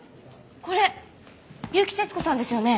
これ結城節子さんですよね？